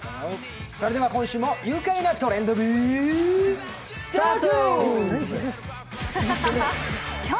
それでは今週も愉快な「トレンド部」スタート！